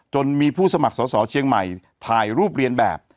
จนมีผู้สมัครสอสอเชียงใหม่ถ่ายรูปเรียนแบบ